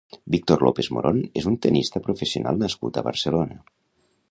Víctor López Morón és un tennista professional nascut a Barcelona.